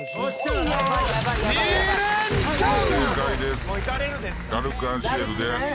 正解です。